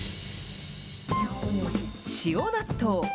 塩納豆。